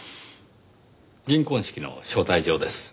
銀婚式の招待状です。